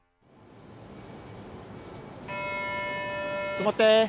とまって。